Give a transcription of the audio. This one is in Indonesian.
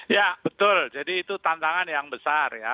ya betul jadi itu tantangan yang besar ya